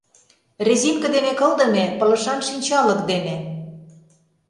Резинке дене кылдыме пылышан шинчалык дене.